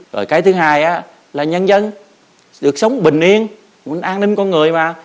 rồi cái thứ hai là nhân dân được sống bình yên an ninh con người mà